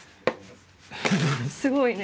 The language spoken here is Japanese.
すごいね。